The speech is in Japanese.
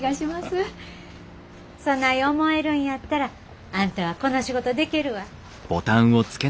そない思えるんやったらあんたはこの仕事でけるわ。